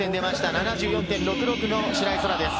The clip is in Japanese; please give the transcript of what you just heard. ７４．６６の白井空良です。